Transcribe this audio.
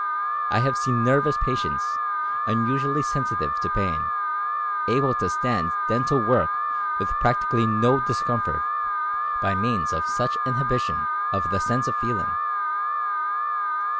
I have seen nervous patients, unusually sensitive to pain, able to stand dental work with practically no discom fort, by means of such inhibition of the sense of feel ing.